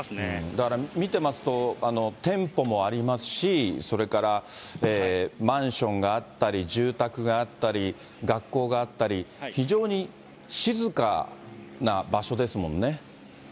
だから、見てますと店舗もありますし、それからマンションがあったり、住宅があったり、学校があったり、非常に静かな場所ですもんね。